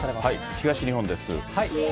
東日本です。